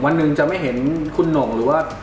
วันหนึ่งจะไม่เห็นคุณหน่งหรือว่า